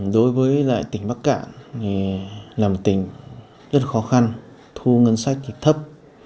đối với lại tỉnh bắc cạn thì là một tỉnh rất khó khăn thu ngân sách thì thấp